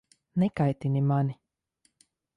Nekaitini mani!